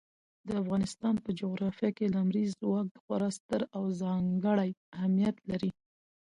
د افغانستان په جغرافیه کې لمریز ځواک خورا ستر او ځانګړی اهمیت لري.